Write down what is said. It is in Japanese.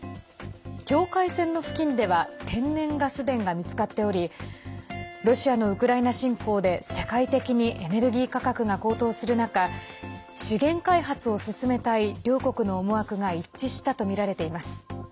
境界線の付近では天然ガス田が見つかっておりロシアのウクライナ侵攻で世界的にエネルギー価格が高騰する中資源開発を進めたい両国の思惑が一致したとみられています。